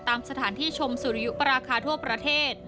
ตามสถานที่ชมสุริยุปราคาทั่วประเทศ